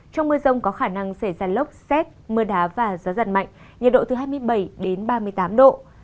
trong mưa rông có khả năng xảy ra lốc xét mưa đá và gió giật mạnh nhiệt độ từ hai mươi bảy đến ba mươi tám độ